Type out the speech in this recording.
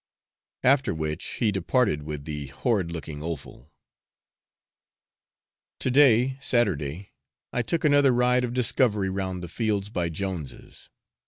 After which he departed with the horrid looking offal. To day Saturday I took another ride of discovery round the fields by Jones's.